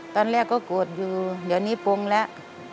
ตอนแรกก็โกรธอยู่เดี๋ยวนี้ปงแล้ว